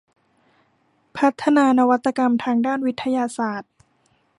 พัฒนานวัตกรรมทางด้านวิทยาศาสตร์